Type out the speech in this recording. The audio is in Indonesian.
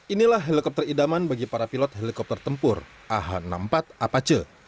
inilah helikopter idaman bagi para pilot helikopter tempur ah enam puluh empat apache